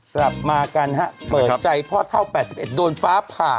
กลับมากันฮะเปิดใจพ่อเท่า๘๑โดนฟ้าผ่า